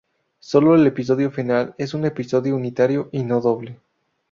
Solo el episodio final es un episodio unitario y no doble.